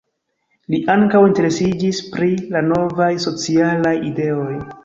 Li ankaŭ interesiĝis pri la novaj socialaj ideoj.